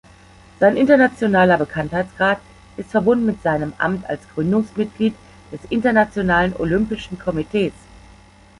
Sein internationaler Bekanntheitsgrad ist verbunden mit seinem Amt als Gründungsmitglied des Internationalen Olympischen Komitees.